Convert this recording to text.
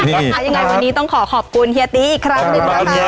ยังไงวันนี้ต้องขอขอบคุณเฮียตีอีกครั้งหนึ่งนะคะ